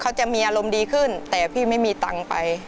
เขาจะมีอารมณ์ดีขึ้นแต่พี่ไม่มีตังค์ไป